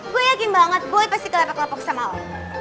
gue yakin banget gue pasti kelepak lepak sama lo